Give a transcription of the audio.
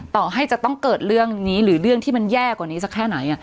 ต่อให้จะต้องเกิดเรื่องนี้หรือเรื่องที่มันแย่กว่านี้สักแค่ไหน